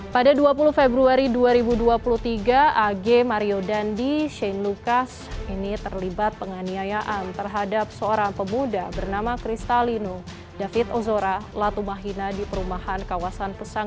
pada dua puluh februari dua ribu dua puluh tiga ag mario dandi shane lucas ini terlibat penganiayaan terhadap seorang pemuda bernama kristalino david ozora latumahina di perumahan kawasan